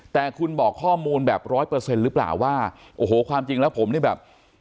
แต่คุณบอกข้อมูลแบบร้อยเปอร์เซ็นต์หรือเปล่าว่าโอ้โหความจริงแล้วผมนี่แบบ